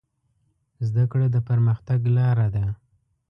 زده کړه د پرمختګ لاره ده.